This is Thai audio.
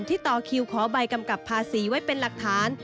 ต่อคิวขอใบกำกับภาษีไว้เป็นหลักฐาน